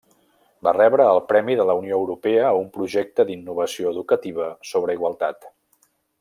Va rebre el Premi de la Unió Europea a un Projecte d'Innovació Educativa sobre Igualtat.